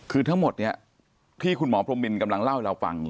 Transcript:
คือทั้งหมดที่คุณหมอพรมมินกำลังเล่าให้เราฟัง